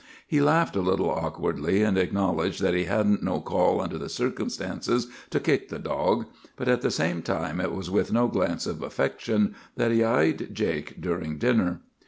He laughed a little awkwardly, and acknowledged that he 'hadn't no call, under the circumstances, to kick the dog;' but at the same time it was with no glance of affection that he eyed Jake during dinner.